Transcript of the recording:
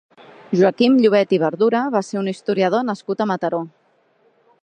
Joaquim Llovet i Verdura va ser un historiador nascut a Mataró.